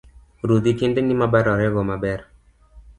Rudhi tiendeni mobarore go maber.